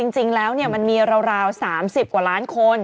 จริงแล้วมันมีราว๓๐กว่าล้านคน